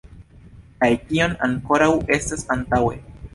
Kaj kiom ankoraŭ estas antaŭe!